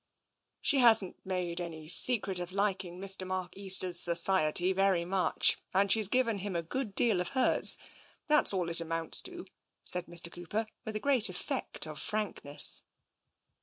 " She hasn't made any secret of liking Mr. Mark Easter's society very much, and she's given him a good deal of hers. That's all it amounts to," said Mr. Cooper, with a great effect of frankness.